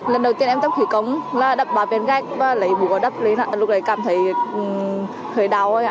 lần đầu tiên em tập thủy cống là đập ba viên gạch và lấy bùa đắp lúc đấy cảm thấy hơi đau